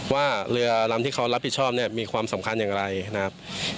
ว่าเรือลำที่เขารับผิดชอบเนี่ยมีความสำคัญอย่างไรนะครับ